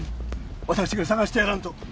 私が捜してやらんと